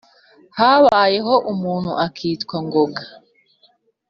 habayeho umuntu akitwa ngoga